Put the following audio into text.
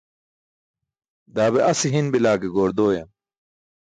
Daa be ase hin bila ke goor dooyam.